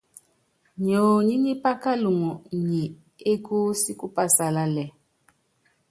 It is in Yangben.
Nyonyí nyí pákaluŋo nyi ékúúsí kú pásalálɛ́.